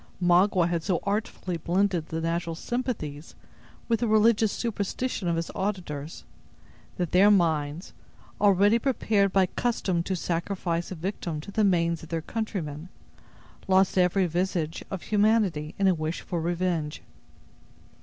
Magua had so artfully blended the natural sympathies with the religious superstition of his auditors, that their minds, already prepared by custom to sacrifice a victim to the manes of their countrymen, lost every vestige of humanity in a wish for revenge.